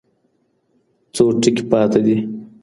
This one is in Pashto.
څو ټكي پـاتــه دي